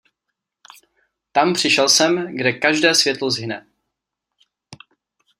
Tam přišel jsem, kde každé světlo zhyne.